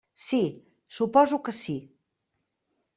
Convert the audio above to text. Sí, suposo que sí.